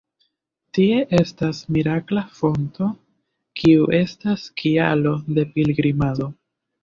Tie estas mirakla fonto kiu estas kialo de pilgrimado.